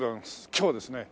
今日はですね